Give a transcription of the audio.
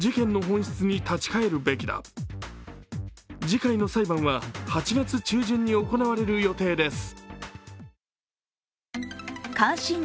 次回の裁判は８月中旬に行われる予定です。